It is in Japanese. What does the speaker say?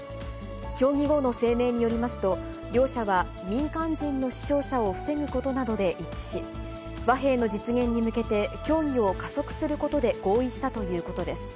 協議後の声明によりますと、両者は民間人の死傷者を防ぐことなどで一致し、和平の実現に向けて協議を加速することで合意したということです。